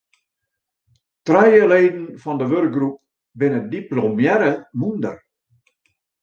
Trije leden fan de wurkgroep binne diplomearre mûnder.